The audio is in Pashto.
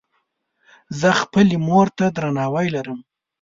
زۀ خپلې مور ته درناوی لرم.